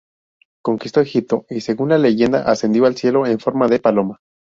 Conquistó Egipto y según la leyenda ascendió al cielo en forma de paloma.